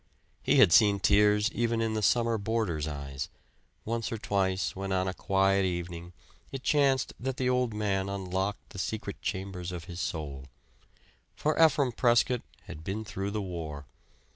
He had seen tears even in the summer boarders' eyes; once or twice when on a quiet evening it chanced that the old man unlocked the secret chambers of his soul. For Ephraim Prescott had been through the War.